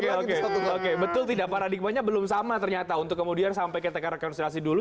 oke betul tidak paradigmanya belum sama ternyata untuk kemudian sampai ketika rekonsiliasi dulu